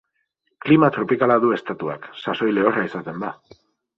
Klima tropikala du estatuak; sasoi lehorra izaten da.